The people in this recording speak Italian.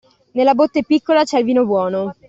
Nella botte piccola c'è il vino buono.